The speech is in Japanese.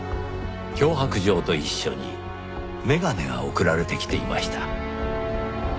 脅迫状と一緒に眼鏡が送られてきていました。